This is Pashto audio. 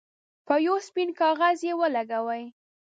په یو سپین کاغذ یې ولګوئ.